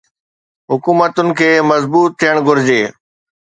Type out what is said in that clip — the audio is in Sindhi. حڪومتن کي مضبوط ٿيڻ گهرجي.